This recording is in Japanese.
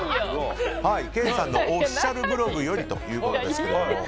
ケイさんのオフィシャルブログよりということです。